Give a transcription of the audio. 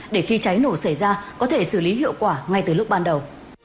để khi cháy nổ xảy ra có thể xử lý hiệu quả ngay từ lúc ban đầu